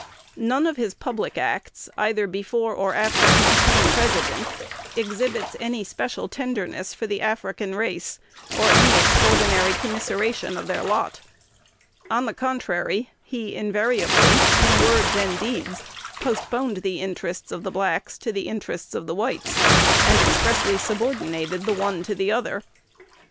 None of his public acts, either before or after he became President, exhibits any special tenderness for the African race, or any extraordinary commiseration of their lot. On the contrary, he invariably, in words and deeds, postponed the interests of the blacks to the interests of the whites, and expressly subordinated the one to the other.